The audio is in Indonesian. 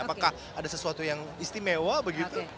apakah ada sesuatu yang istimewa begitu